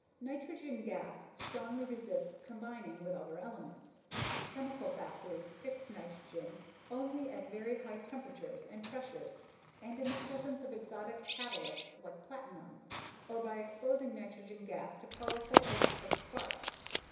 Nitrogen gas strongly resists combining with other elements. Chemical factories fix nitrogen only at very high temperatures and pressures and in the presence of exotic catalysts like platinum or by exposing nitrogen gas to powerful electric sparks.